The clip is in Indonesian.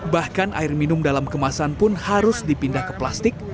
bahkan air minum dalam kemasan pun harus dipindah ke plastik